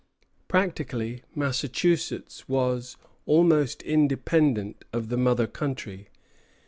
Practically Massachusetts was almost independent of the mother country.